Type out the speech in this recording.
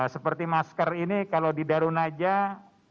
seperti masker ini kalau di darun najah